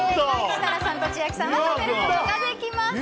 設楽さんと千秋さんは召し上がることができません。